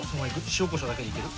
塩こしょうだけでいける？